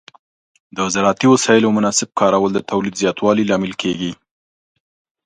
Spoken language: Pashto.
د زراعتي وسایلو مناسب کارول د تولید زیاتوالي لامل کېږي.